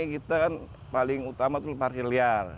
kita kan paling utama tuh parkir liar